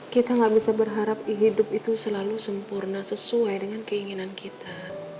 kita gak bisa berharap hidup itu selalu sempurna sesuai dengan keinginan kita